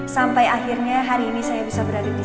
sampai akhirnya hari ini saya bisa berada disini